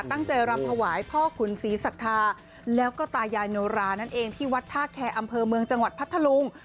รำถวายพ่อขุนศรีศรัทธาแล้วก็ตายายโนรานั่นเองที่วัดท่าแคร์อำเภอเมืองจังหวัดพัทธลุง